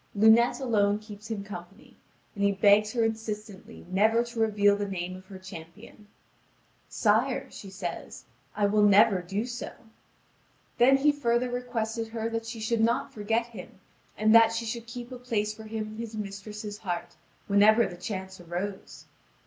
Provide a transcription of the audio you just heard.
Lunete alone keeps him company, and he begs her insistently never to reveal the name of her champion. "Sire," says she, "I will never do so." Then he further requested her that she should not forget him, and that she should keep a place for him in his mistress' heart, whenever the chance arose.